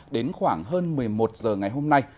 đến khoảng hơn một mươi một h ngày hôm nay